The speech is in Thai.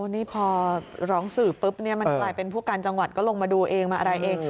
นี่พอร้องสื่อปุ๊บเนี่ยมันกลายเป็นผู้การจังหวัดก็ลงมาดูเองมาอะไรเอง